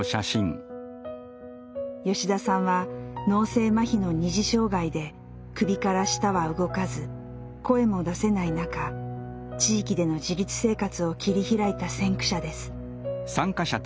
吉田さんは脳性まひの二次障害で首から下は動かず声も出せない中地域での自立生活を切り開いた先駆者です。